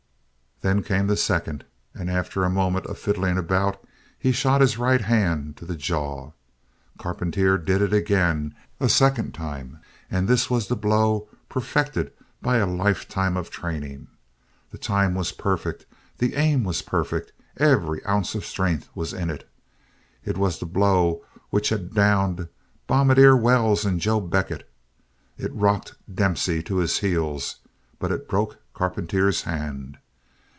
Then came the second and, after a moment of fiddling about, he shot his right hand to the jaw. Carpentier did it again, a second time, and this was the blow perfected by a life time of training. The time was perfect, the aim was perfect, every ounce of strength was in it. It was the blow which had downed Bombardier Wells, and Joe Beckett. It rocked Dempsey to his heels, but it broke Carpentier's hand.